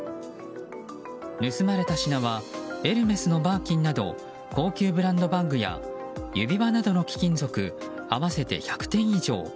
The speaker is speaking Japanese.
盗まれた品はエルメスのバーキンなど高級ブランドバッグや指輪などの貴金属合わせて１００点以上。